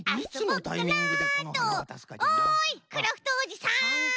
おいクラフトおじさん。